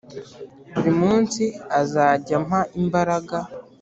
Buri munsi azajya ampa imbaraga